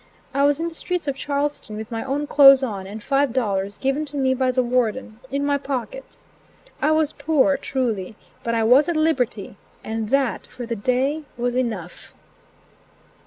I was in the streets of Charlestown with my own clothes on and five dollars, given to me by the Warden, in my pocket, I was poor, truly, but I was at liberty, and that for the day was enough.